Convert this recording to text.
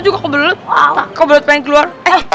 kau belut pengen keluar